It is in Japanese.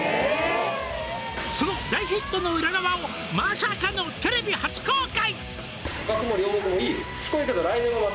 「その大ヒットの裏側をまさかのテレビ初公開！」